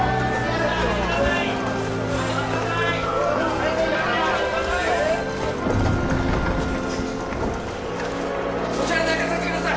はいそちらに寝かせてください